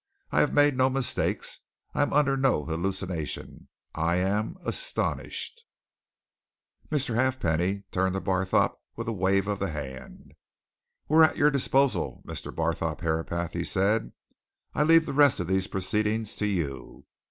I have made no mistakes I am under no hallucination. I am astonished!" Mr. Halfpenny turned to Barthorpe with a wave of the hand. "We are at your disposal, Mr. Barthorpe Herapath," he said. "I leave the rest of these proceedings to you.